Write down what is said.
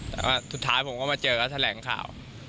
แต่ว่าสุดท้ายผมก็มาเจอก็แถลงข่าว